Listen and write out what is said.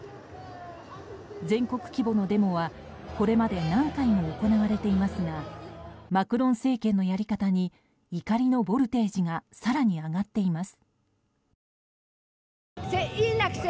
全国規模のデモはこれまで何回も行われていますがマクロン政権のやり方に怒りのボルテージが更に上がっています。